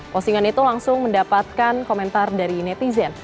postingan itu langsung mendapatkan komentar dari netizen